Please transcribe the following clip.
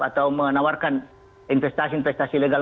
atau menawarkan investasi investasi legal